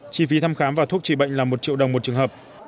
chi phí thăm khám và thuốc trị bệnh là một triệu đồng một trường hợp